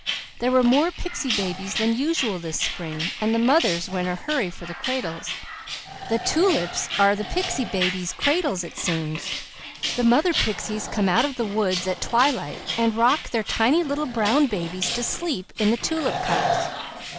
There were more pixy babies than usual this spring, and the mothers were in a hurry for the cradles. The tulips are the pixy babies' cradles, it seems. The mother pixies come out of the woods at twilight and rock their tiny little brown babies to sleep in the tulip cups.